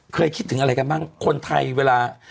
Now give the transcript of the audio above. คิดถึงอะไรกันบ้างคนไทยเวลา